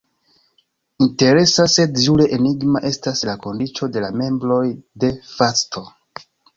Interesa sed jure enigma estas la kondiĉo de la membroj "de facto".